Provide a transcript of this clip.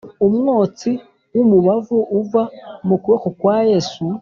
Umwotsi w’ umubavu uva mu kuboko kwa yesu.